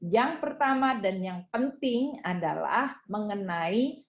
yang pertama dan yang penting adalah mengenai